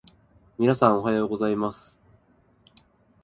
皆さん、おはようございます。